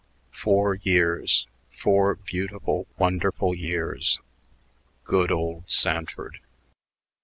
Four years four beautiful, wonderful years.... Good old Sanford....